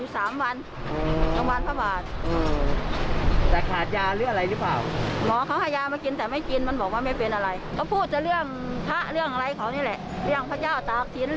สามวันสามวันพระพาท